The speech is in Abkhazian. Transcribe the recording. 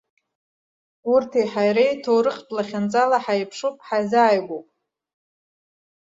Урҭи ҳареи ҭоурыхтә лахьынҵала ҳаиԥшуп, ҳаизааигәоуп.